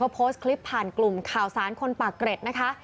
โพสต์คลิปผ่านกลุ่มข่าวสารคนปากเกร็ดนะคะ